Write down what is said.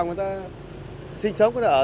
người ta sinh sống người ta ở